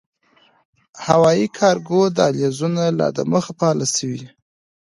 هوايي کارګو دهلېزونه لا دمخه “فعال” شوي